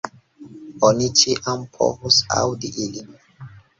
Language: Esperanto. Oni ĉiam povus aŭdi ilin.